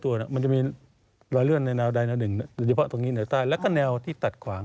อย่างนี้มันจะมีรอยเลือดในแนะวดั๊ยนัง๑แล้วก็แนวที่ตัดขวาง